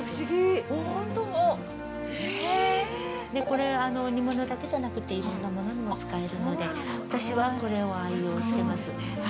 これ煮物だけじゃなくていろんなものにも使えるので私はこれを愛用してます。